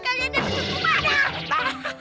kalian ada pencuri mana